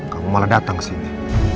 kamu malah datang kesini